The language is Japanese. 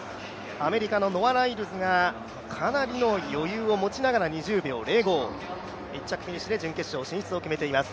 アメリカのノア・ライルズが、かなりの余裕を持ちながら２０秒０５、１着フィニッシュで準決勝進出を決めています。